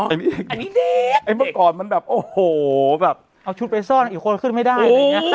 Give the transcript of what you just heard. อันนี้เด็กเมื่อก่อนมันแบบโอ้โหแบบเอาชุดไปซ่อนอีกคนขึ้นไม่ได้